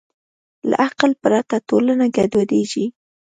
له عقل پرته ټولنه ګډوډېږي.